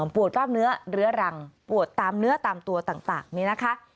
กล้ามเนื้อเรื้อรังปวดตามเนื้อตามตัวต่างนี่นะคะ